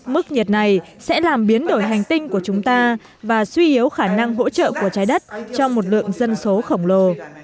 mức nhiệt này sẽ làm biến đổi hành tinh của chúng ta và suy yếu khả năng hỗ trợ của trái đất trong một lượng dân số khổng lồ